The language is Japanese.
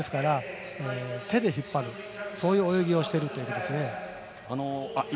手で引っ張る、そういう泳ぎをしているということですね。